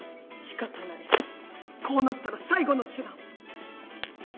こうなったら最後の手段。